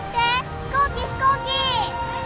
飛行機飛行機！